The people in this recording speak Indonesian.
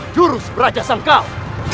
jurus berajasan kau